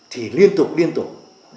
thì liên tục liên tục